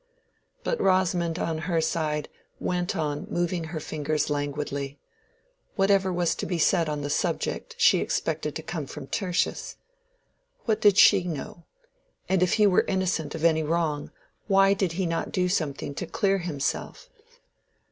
But Rosamond on her side went on moving her fingers languidly. Whatever was to be said on the subject she expected to come from Tertius. What did she know? And if he were innocent of any wrong, why did he not do something to clear himself?